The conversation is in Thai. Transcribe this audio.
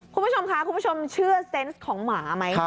คุณผู้ชมค่ะคุณผู้ชมเชื่อเซนต์ของหมาไหม